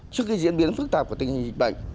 trước cái diễn biến phức tạp của tình hình dịch bệnh